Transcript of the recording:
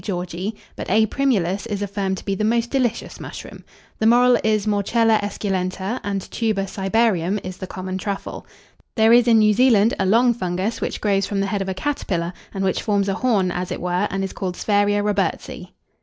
Georgii;_ but A. primulus is affirmed to be the most delicious mushroom. The morel is Morchella esculenta, and Tuber cibarium is the common truffle. There is in New Zealand a long fungus, which grows from the head of a caterpillar, and which forms a horn, as it were, and is called Sphaeria Robertsii.